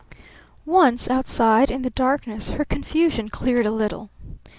Once outside in the darkness her confusion cleared a little.